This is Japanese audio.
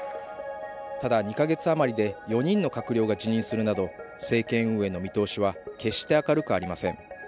ただ２か月余りで４人の閣僚が辞任するなど、政権運営の見通しは決して明るくありません。